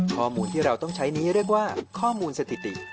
ข้อมูลที่เราต้องใช้นี้เรียกว่าข้อมูลสถิติ